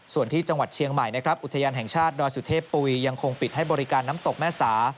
ส่วนที่จังหวัดเชียงใหม่นะครับอุทยานแห่งชาติดอยสุเทพปุยยังคงปิดให้บริการน้ำตกแม่สา